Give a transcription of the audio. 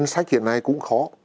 nhân sách hiện nay cũng khó